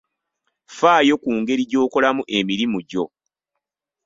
Ffaayo ku ngeri gy'okolamu emirimu gyo.